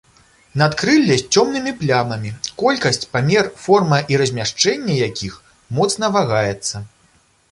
Надкрылле з цёмнымі плямамі, колькасць, памер, форма і размяшчэнне якіх моцна вагаецца.